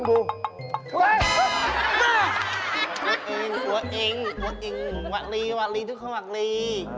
ตัวเองหวักลีทุกคนหวักลี